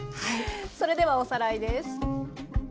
それではおさらいです。